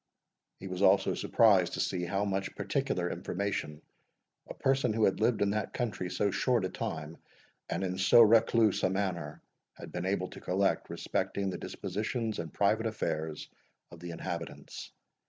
He was also surprised to see how much particular information a person who had lived in that country so short a time, and in so recluse a manner, had been able to collect respecting the dispositions and private affairs of the inhabitants.